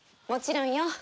もちろんよ。